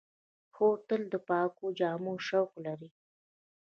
خور تل د پاکو جامو شوق لري.